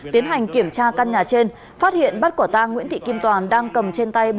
tiến hành kiểm tra căn nhà trên phát hiện bắt quả tang nguyễn thị kim toàn đang cầm trên tay